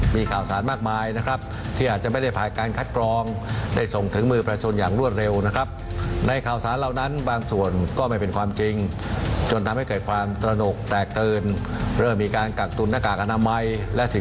มีข่าวสารมากมายนะครับที่อาจจะไม่ได้ผ่านการคัดกรองได้ส่งถึงมือประชาชนอย่างรวดเร็วนะครับในข่าวสารเหล่านั้นบางส่วนก็ไม่เป็นความจริงจนทำให้เกิดความตระหนกแตกตื่นเริ่มมีการกักตุนหน้ากากอนามัยและสิ่ง